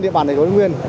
trên địa bàn thái nguyên